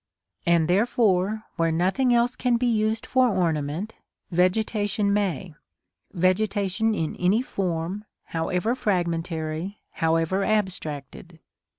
And, therefore, where nothing else can be used for ornament, vegetation may; vegetation in any form, however fragmentary, however abstracted.